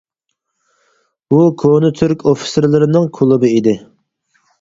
بۇ كونا تۈرك ئوفىتسېرلىرىنىڭ كۇلۇبى ئىدى.